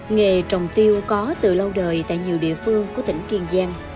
nghề trồng tiêu có từ lâu đời tại nhiều địa phương của tỉnh kiên giang